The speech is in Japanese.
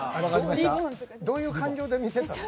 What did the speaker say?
どういう感情で見てたの？